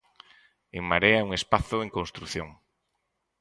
En Marea é un espazo en construción.